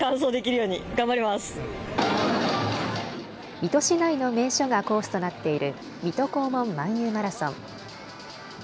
水戸市内の名所がコースとなっている水戸黄門漫遊マラソン。